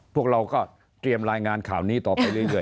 พวกเราก็เตรียมรายงานข่าวนี้ต่อไปเรื่อย